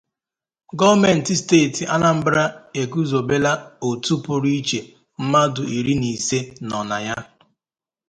Gọọmentị steeti Anambra eguzobela òtù pụrụ iche mmadụ iri na ise nọ na ya